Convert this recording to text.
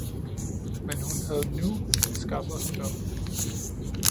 Men hun havde nu skaffet ham derop